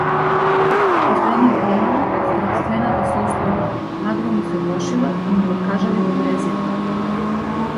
Последните денови здравствената состојба нагло му се влошила и му откажале бубрезите.